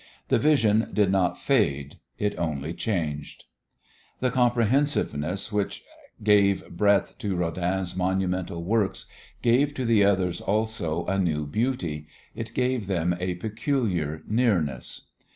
The vision did not fade, it only changed. The comprehensiveness which gave breadth to Rodin's monumental works gave to the others also a new beauty; it gave them a peculiar nearness.